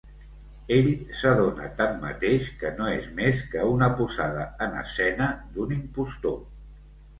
Ell s'adona tanmateix que no és més que una posada en escena d'un impostor.